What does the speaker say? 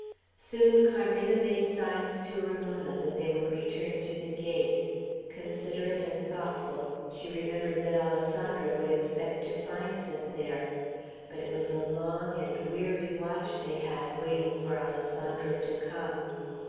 Soon Carmena made signs to Ramona that they would return to the gate. Considerate and thoughtful, she remembered that Alessandro would expect to find them there. But it was a long and weary watch they had, waiting for Alessandro to come.